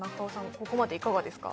ここまでいかがですか？